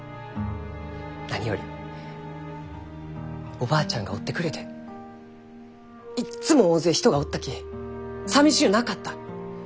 何よりおばあちゃんがおってくれていっつも大勢人がおったきさみしゅうなかった。